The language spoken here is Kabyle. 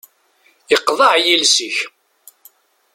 Iqḍeε yiles-ik.